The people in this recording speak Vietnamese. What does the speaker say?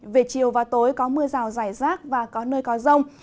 về chiều và tối có mưa rào rải rác và có nơi có rông